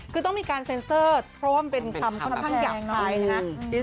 คือต้องมีการเซ็นเซอร์พร่อมเป็นคำค่อนข้างยากไทยนะคะ